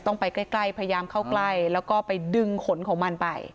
ต้องไปใกล้ใกล้พยายามเข้าไกลแล้วก็ไปดึงขนของมันไป